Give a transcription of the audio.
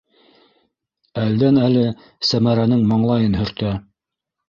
Әлдән-әле Сәмәрәнең маңлайын һөртә.